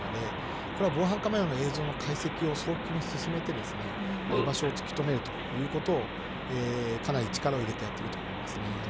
これは防犯カメラの映像の解析を早急に進めて居場所を突き止めるということをかなり力を入れてやっていると思います。